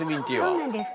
そうなんです。